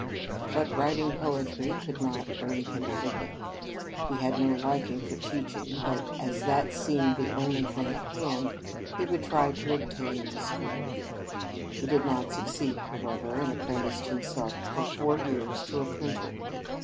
But writing poetry would not earn him a living. He had no liking for teaching, but, as that seemed the only thing at hand, he would try to obtain a school. He did not succeed, however, and apprenticed himself for four years to a printer.